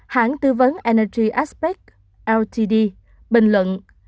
hãng tư vấn energy aspect ltd bình luận